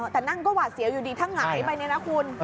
แต่นั่งก็หวาดเสียวอยู่ดีถ้าหงายไปเนี่ยนะคุณ